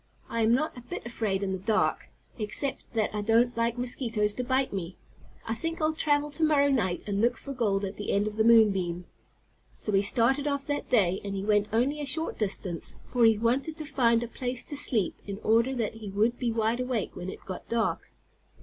I am not a bit afraid in the dark, except that I don't like mosquitoes to bite me. I think I'll travel to morrow night, and look for gold at the end of the moon beam." So he started off that day, and he went only a short distance, for he wanted to find a place to sleep in order that he would be wide awake when it got dark.